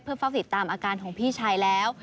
เพื่อเฝ้าสิตตามอาการพี่ชายแล้ว